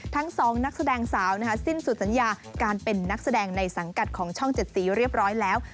ทั้ง๒นักแสดงสาวสิ้นสุดสัญญาการเป็นนักแสดงในสังกัดของช่อง๗สีเรียบร้อยแล้ว